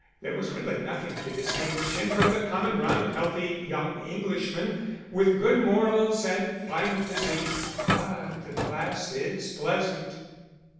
There was really nothing to distinguish him from the common run of healthy young Englishmen, with good morals and fine physique; but the class is pleasant.